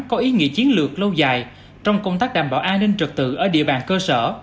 có ý nghĩa chiến lược lâu dài trong công tác đảm bảo an ninh trật tự ở địa bàn cơ sở